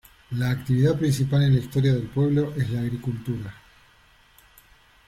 La actividad principal en la historia del pueblo es la agricultura.